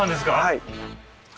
はい。